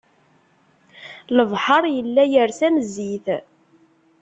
Lebḥer yella ires am zzit